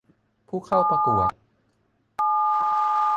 ผู้เข้าประกวด